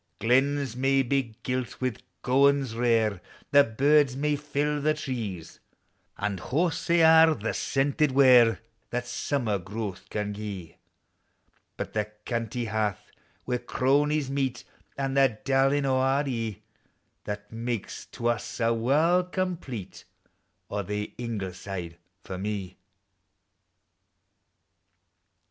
Glens may be gilt wF gowans rare, The birds may fill the tree; And haughs hae a' the scented ware That simmer growth can gie: But the canty hearth where cronies meet, An' the darling o' our eV, That makes to us a warl' complete : O, the Ingle side for me!